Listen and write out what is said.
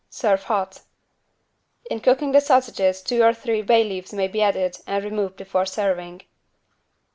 Serve hot. In cooking the sausages two or three bay leaves may be added and removed before serving.